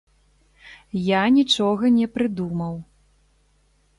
Я нічога не прыдумаў.